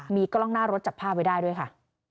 มีกล้องหน้ารถจับภาพไว้ได้ด้วยค่ะ